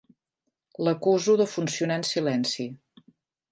L'acuso de funcionar en silenci.